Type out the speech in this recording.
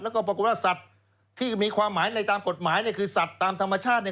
แล้วก็ปรากฏว่าสัตว์ที่มีความหมายในตามกฎหมายเนี่ยคือสัตว์ตามธรรมชาติเนี่ย